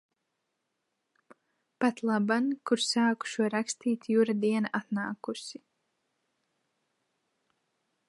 Patlaban, kur sāku šo rakstīt, Jura diena atnākusi.